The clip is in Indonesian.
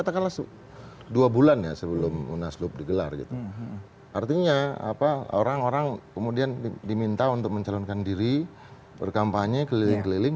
tidak tidur sekarang